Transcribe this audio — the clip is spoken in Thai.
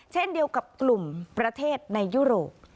เช่นเดียวกับกลุ่มประเทศในยุโรป